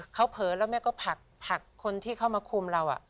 เขาเผลอแล้วแม่ก็ผลักคนที่เข้ามาคุมเรา